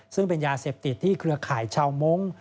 ซึ่งเป็นยาเสพติดที่เครือข่ายชาวมงค์